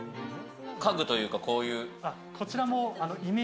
家具というか、こういう。